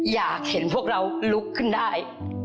อยากเห็นพวกเราลุกขึ้นได้